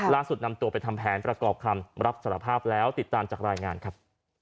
ล่าสุดนำตัวไปทำแผนประกอบคำรับสารภาพแล้วติดตามจากรายงานครับ